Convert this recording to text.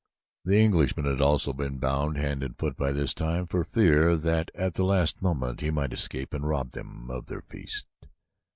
The Englishman had also been bound hand and foot by this time for fear that at the last moment he might escape and rob them of their feast.